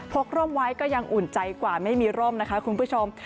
กร่มไว้ก็ยังอุ่นใจกว่าไม่มีร่มนะคะคุณผู้ชม